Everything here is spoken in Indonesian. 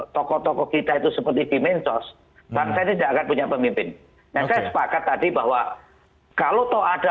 tokoh tokoh kita itu seperti dimensos maka tidak akan punya pemimpin sepakat tadi bahwa kalau ada